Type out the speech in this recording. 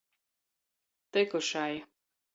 Tykušai.